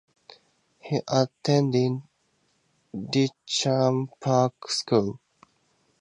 He attended Ditcham Park School.